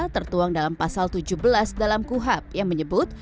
tertuang dalam pasal tujuh belas dalam kuhab yang menyebut